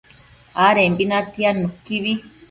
adembi natiad nuquibi